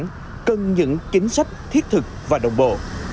chỉ cần những kiến sách thiết thực và đồng bộ